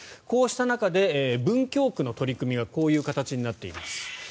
こうした中で文京区の取り組みはこうなっています。